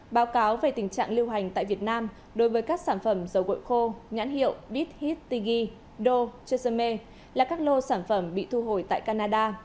báo cáo về tình trạng lưu hành tại việt nam đối với các sản phẩm dầu gội khô nhãn hiệu bidhittigi dome là các lô sản phẩm bị thu hồi tại canada